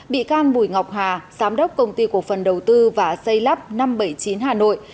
bị can bùi ngọc hà giám đốc công ty cổ phần đầu tư và xây lắp năm trăm bảy mươi chín hà nội